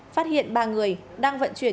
phát hiện ba người đang vận chuyển